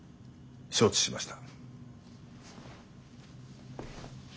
承知しました。